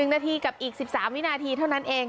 ๑นาทีกับอีก๑๓วินาทีเท่านั้นเอง